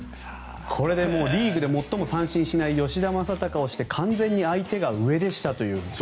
これでリーグで最も三振しない吉田正尚をして完全に相手が上でしたと。